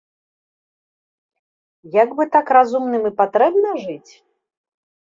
Як бы так разумным і патрэбна жыць?